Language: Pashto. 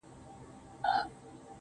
د ميني پر كوڅه ځي ما يوازي پــرېـــږدې~